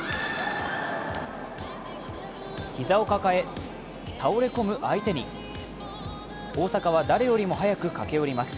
膝を抱え倒れ込む相手に大坂は誰よりも早く駆け寄ります